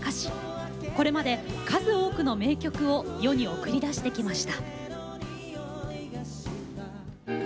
これまで数多くの名曲を世に送り出してきました。